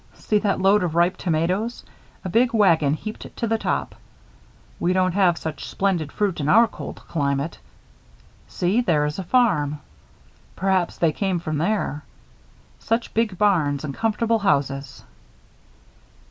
See that load of ripe tomatoes a big wagon heaped to the top. We don't have such splendid fruit in our cold climate. See, there is a farm. Perhaps they came from there. Such big barns and comfortable houses."